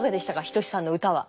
仁さんの歌は。